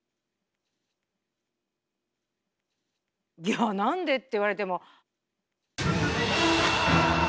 いやなんでって言われても。